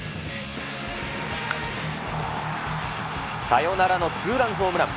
サヨナラのツーランホームラン。